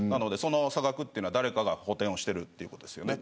差額は誰かが補てんをしているということですよね。